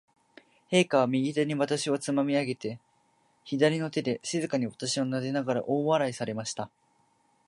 陛下は、右手に私をつまみ上げて、左の手で静かに私をなでながら、大笑いされました。